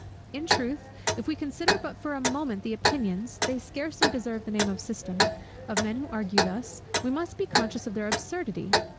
In truth, if we consider but for a moment the opinions (they scarcely deserve the name of system) of men who argue thus, we must be conscious of their absurdity.